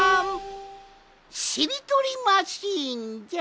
しりとりマシーンじゃ！